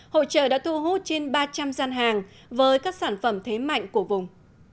hội trợ đã thu hút trên ba trăm linh gian hàng với các sản phẩm thế mạnh của vùng